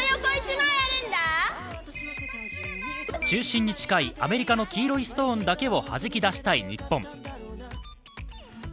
中心に近いアメリカの黄色いストーンだけをはじき出したい日本。